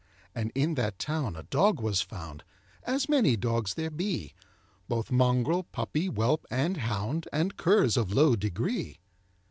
And in that town a dog was found, As many dogs there be, Both mongrel, puppy, whelp, and hound, And curs of low degree.